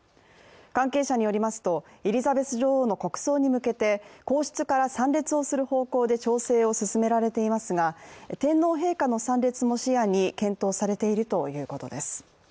関係者によりますと、エリザベス女王の国葬に向けて皇室から参列をする方向で調整を進められていますが天皇陛下の参列も視野に検討されているということです。